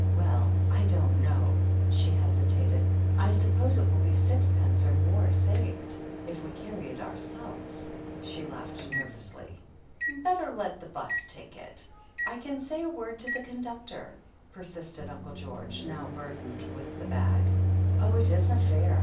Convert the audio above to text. "Well — ^I don't know," she hesitated.. "I suppose it will be sixpence or more saved, if we carry it our selves." She laughed nervously. "Better let the 'bus take it. I can say a word to the conductor," persisted Uncle George, now burdened with the bag. "Oh, it isn't far.